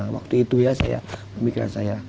waktu itu ya saya pemikiran saya